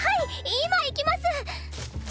今行きます！